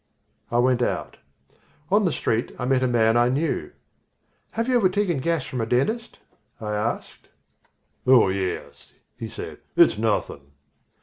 I went out. On the street I met a man I knew. "Have you ever taken gas from a dentist?" I asked. "Oh, yes," he said; "it's nothing."